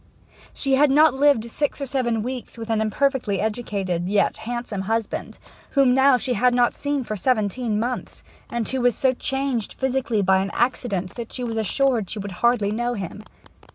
She had lived six or seven weeks with an imperfectly educated yet handsome husband whom now she had not seen for seventeen months, and who was so changed physically by an accident that she was assured she would hardly know him.